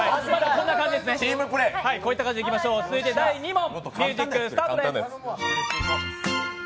続いて第２問、ミュージックスタートです。